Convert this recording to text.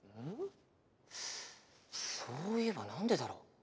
そういえばなんでだろう？